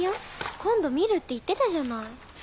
今度見るって言ってたじゃない。